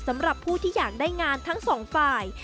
สำหรับผู้ที่อยากได้งานทั้งสองฝ่าย